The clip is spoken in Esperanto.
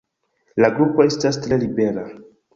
La grupo estas tre libera.